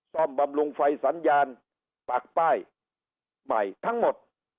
บำรุงไฟสัญญาณปากป้ายใหม่ทั้งหมด